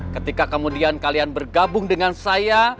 ketika kemudian kalian bergabung dengan saya